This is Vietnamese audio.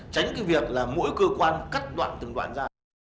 tránh cái việc là mỗi cơ quan cắt đoạn từng đoạn ra